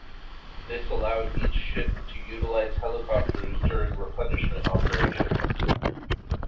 This allowed each ship to utilize helicopters during replenishment operations.